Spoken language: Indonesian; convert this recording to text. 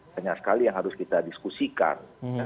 banyak sekali yang harus kita diskusikan